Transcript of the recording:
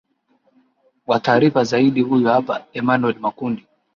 wa taarifa zaidi huyu hapa emanuel makundi